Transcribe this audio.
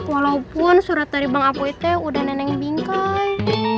walaupun surat dari bang apoi teh udah neneng bingkai